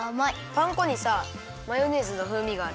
パン粉にさマヨネーズのふうみがある。